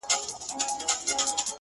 هلته پاس چي په سپوږمـۍ كــي،